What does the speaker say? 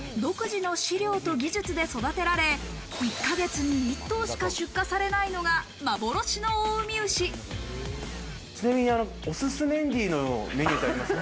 その中でも独自の飼料と技術で育てられ、１か月に１頭しか出荷されないのがちなみに、おすすメンディーのメニューってありますか？